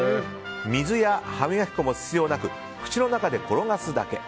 水や歯磨き粉も必要なく口の中で転がすだけ。